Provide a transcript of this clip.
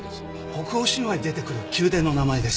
北欧神話に出てくる宮殿の名前です。